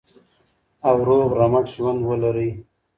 او روغ رمټ ژوند ولرئ.